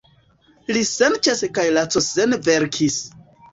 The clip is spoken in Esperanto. Li senĉese kaj lacosene verkis.